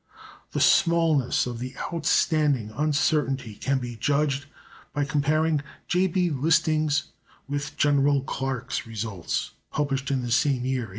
The smallness of the outstanding uncertainty can be judged of by comparing J. B. Listing's with General Clarke's results, published in the same year (1878).